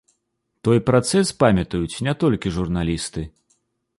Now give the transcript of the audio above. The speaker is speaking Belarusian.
Той працэс памятаюць не толькі журналісты.